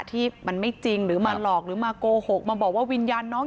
ที่มันไม่จริงหรือมาหลอกหรือมาโกหกมาบอกว่าวิญญาณน้อง